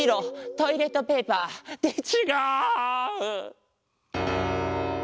トイレットペーパー。ってちがう！